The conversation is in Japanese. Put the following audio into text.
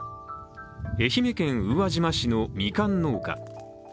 愛媛県宇和島市のみかん農家。